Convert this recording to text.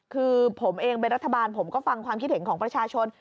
คือผมเองเป็นรัฐบาลผมก็ฟังความคิดเห็นของประชาชน